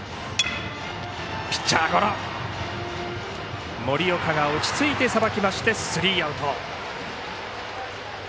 ピッチャーゴロ森岡が落ち着いてさばいてスリーアウト。